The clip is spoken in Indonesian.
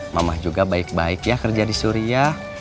mama juga baik baik ya kerja di suriah